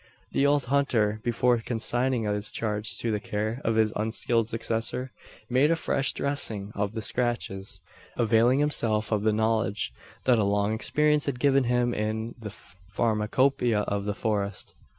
The old hunter, before consigning his charge to the care of his unskilled successor, made a fresh dressing of the scratches availing himself of the knowledge that a long experience had given him in the pharmacopoeia of the forest.